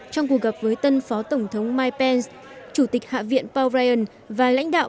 trong cuộc gặp với tân phó tổng thống mike pence chủ tịch hạ viện paul ryan và lãnh đạo